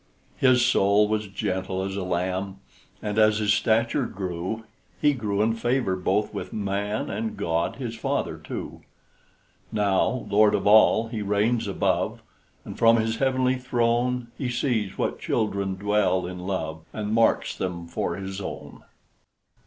His soul was gentle as a lamb; And as his stature grew, He grew in favor both with man And God his father, too. Now, Lord of all, he reigns above; And from his heavenly throne, He sees what children dwell in love, And marks them for his own.